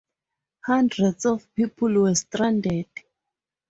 Hundreds of people were stranded.